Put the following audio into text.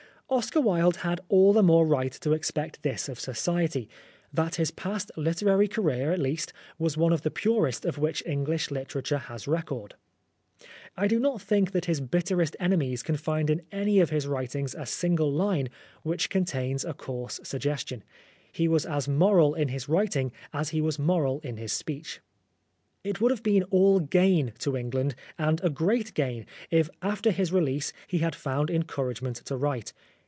Oscar Wilde had all the more right to expect this of Society, that his past literary career, at least, was one of the purest of which English literature has record. I do not think that his bitterest enemies can find in any of his writings a single line which contains a 219 Oscar Wilde coarse suggestion. He was as moral in his writing as he was moral in his speech. It would have been all gain to England, and a great gain, if after his release he had found encouragement to write.